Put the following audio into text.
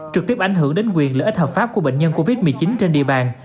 trực tiếp ảnh hưởng đến quyền lợi ích hợp pháp của bệnh nhân covid một mươi chín trên địa bàn